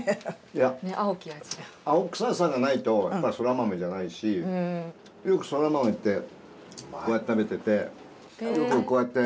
青臭さがないとやっぱそら豆じゃないしよくそら豆ってこうやって食べててよくこうやって。